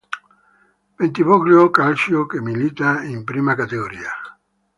Bentivoglio Calcio che milita in Prima Categoria.